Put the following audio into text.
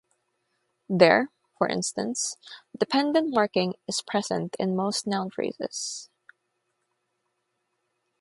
There, for instance, dependent-marking is present in most noun phrases.